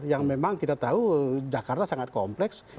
yang memang kita tahu jakarta sangat kompleks